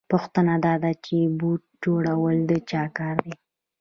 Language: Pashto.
پوښتنه دا ده چې بوټ جوړول د چا کار دی